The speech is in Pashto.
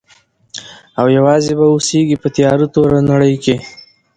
او یوازي به اوسیږي په تیاره توره نړۍ کي.